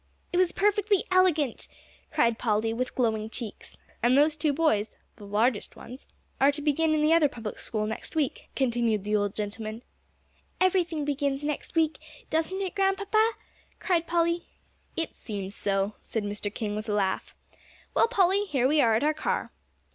"It was perfectly elegant!" cried Polly, with glowing cheeks. "And those two boys the largest ones are to begin in the other public school next week," continued the old gentleman. "Everything begins next week, doesn't it, Grandpapa?" cried Polly. "It seems so," said Mr. King, with a laugh. "Well, Polly, here we are at our car."